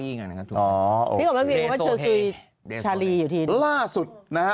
พี่หนูออกมายุ่งกับว่าเชอสุยคะลีอยู่ที่นี่